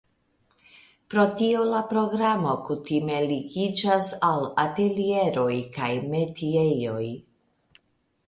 Pro tio la programo kutime ligiĝas al atelieroj kaj metiejoj.